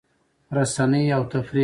رسنۍ او تفریح